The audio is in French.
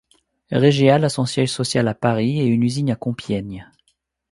Regeal a son siège social à Paris et une usine à Compiegne.